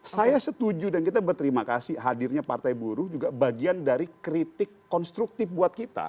saya setuju dan kita berterima kasih hadirnya partai buruh juga bagian dari kritik konstruktif buat kita